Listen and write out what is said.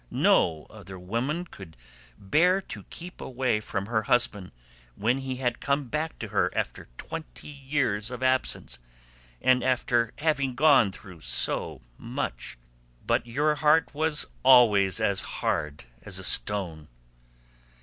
No other woman could bear to keep away from her husband when he had come back to her after twenty years of absence, and after having gone through so much; but your heart always was as hard as a stone."